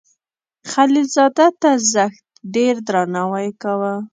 خلیل زاده ته زښت ډیر درناوی کاو.